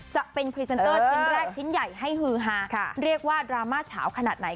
จะเป็นเช็นแรกเช็นใหญ่ให้ฮื้อฮาค่ะเรียกว่าดราม่าเฉาขนาดไหน